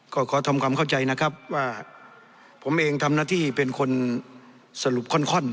ก็ขอทำความเข้าใจนะครับว่าผมเองทำหน้าที่เป็นคนสรุปค่อน